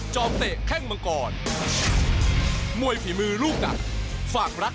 ชื่ออนุสร